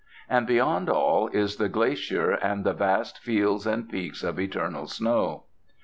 And beyond all is the glacier and the vast fields and peaks of eternal snow.